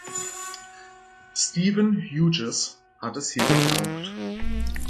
Stephen Hughes hat es hier gebraucht.